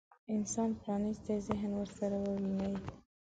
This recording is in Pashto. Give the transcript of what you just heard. انسان پرانيستي ذهن ورسره وويني.